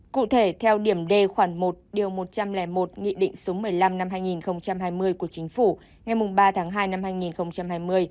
cụ thể theo điểm d khoản một điều một trăm linh một nghị định số một mươi năm năm hai nghìn hai mươi của chính phủ ngày ba tháng hai năm hai nghìn hai mươi